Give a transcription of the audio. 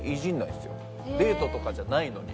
デートとかじゃないのに。